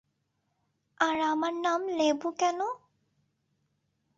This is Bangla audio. আর আমার নাম লেবু কেন?